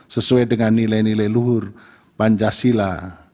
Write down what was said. sesuai dengan nilai nilai luhur pancasila